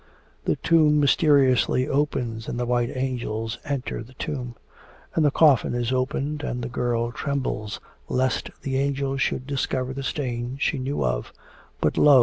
The tomb mysteriously opens, and the white angels enter the tomb. And the coffin is opened and the girl trembles lest the angels should discover the stain she knew of. But lo!